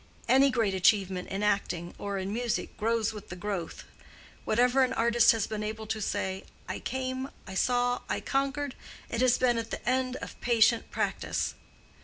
Any great achievement in acting or in music grows with the growth. Whenever an artist has been able to say, 'I came, I saw, I conquered,' it has been at the end of patient practice.